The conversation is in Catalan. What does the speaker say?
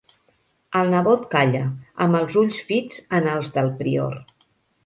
El nebot calla, amb els ulls fits en els del prior.